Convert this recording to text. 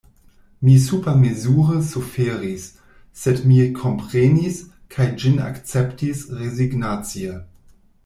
Mi supermezure suferis; sed mi komprenis, kaj ĝin akceptis rezignacie.